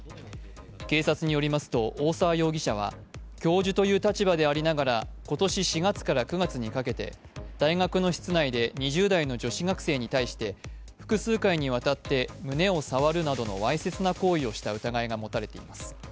警察によりますと、大澤容疑者は教授という立場でありながら今年４月から９月にかけて大学の室内で２０代の女子学生に対して複数回にわたって胸を触るなどのわいせつな行為をした疑いが持たれています。